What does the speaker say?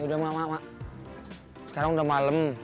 yaudah mak mak sekarang udah malem